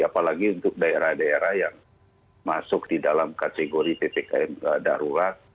apalagi untuk daerah daerah yang masuk di dalam kategori ppkm darurat